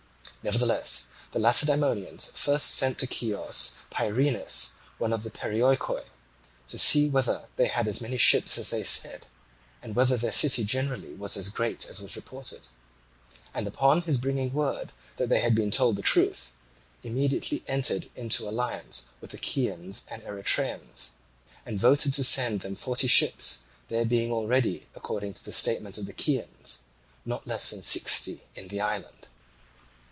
Nevertheless the Lacedaemonians first sent to Chios Phrynis, one of the Perioeci, to see whether they had as many ships as they said, and whether their city generally was as great as was reported; and upon his bringing word that they had been told the truth, immediately entered into alliance with the Chians and Erythraeans, and voted to send them forty ships, there being already, according to the statement of the Chians, not less than sixty in the island.